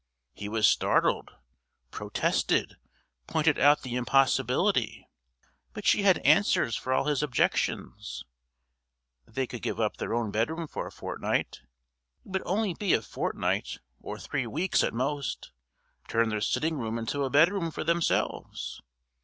He was startled; protested, pointed out the impossibility. But she had answers for all his objections. They could give up their own bedroom for a fortnight it would only be a fortnight or three weeks at most turn their sitting room into a bedroom for themselves.